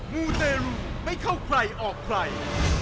มูเตรลูไม่เข้าใครออกใคร